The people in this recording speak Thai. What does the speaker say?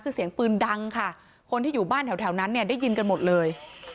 คือเสียงปืนดังค่ะคนที่อยู่บ้านแถวนั้นเนี่ยได้ยินกันหมดเลย